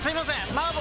麻婆！